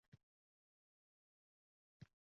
Oʻynashardi barglarida nur.